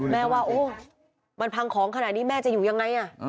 แม่ว่าโอ้มันพังของขนาดนี้แม่จะอยู่ยังไง